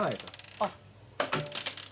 あっ。